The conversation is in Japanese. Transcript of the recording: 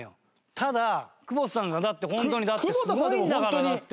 ただ久保田さんがだってホントにだってすごいんだからだって。